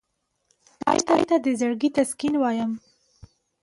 چای ته د زړګي تسکین وایم.